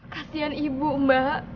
kasian ibu mbak